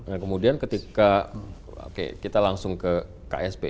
nah kemudian ketika kita langsung ke ksp